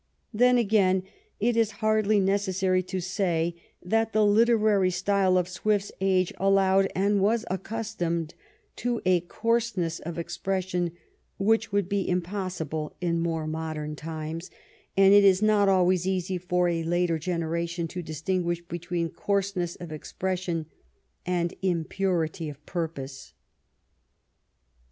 Then, again, it is hardly necessary to say that the literary style of Swift's age allowed and was accustomed to a coarseness of expres sion which would be impossible in more modem times, 239 THE REIGN OF QUEEN ANNE and it is not always easy for a later generation to dis tinguish between coarseness of expression and impurity of purpose.